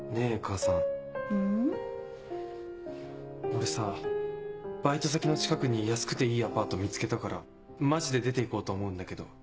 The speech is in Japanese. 俺さバイト先の近くに安くていいアパート見つけたからマジで出て行こうと思うんだけど。